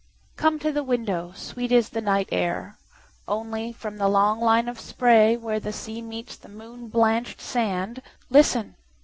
Come to the window, sweet is the night air! Only, from the long line of sprayWhere the sea meets the moon blanch'd sand, Listen!